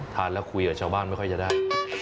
ทานแล้วคุยกับชาวบ้านไม่ค่อยจะได้